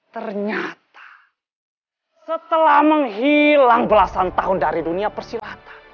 ternyata setelah menghilang belasan tahun dari dunia persilata